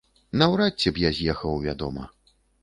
Наўрад ці б я з'ехаў, вядома.